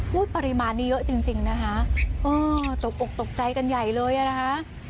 ปริมาณนี้เยอะจริงจริงนะคะเออตกอกตกใจกันใหญ่เลยอ่ะนะคะ